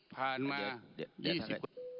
ผ่านมา๒๐ปี